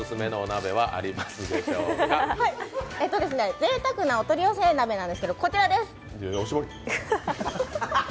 ぜいたくなお取り寄せ鍋なんですけど、こちらです。